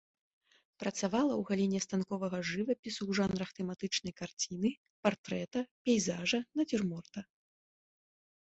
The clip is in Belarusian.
Працавала ў галіне станковага жывапісу ў жанрах тэматычнай карціны, партрэта, пейзажа, нацюрморта.